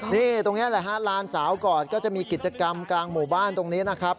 นี่ตรงนี้แหละฮะลานสาวก่อนก็จะมีกิจกรรมกลางหมู่บ้านตรงนี้นะครับ